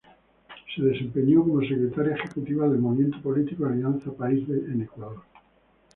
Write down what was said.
Se desempeñó como secretaria ejecutiva del movimiento político Alianza País en Ecuador.